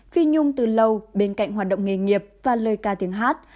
phi nhung từ lâu bên cạnh hoạt động nghề nghiệp và lời ca tiếng hát